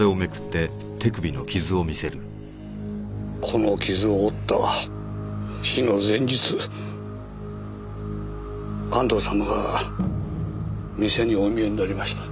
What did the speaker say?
この傷を負った日の前日安藤様が店にお見えになりました。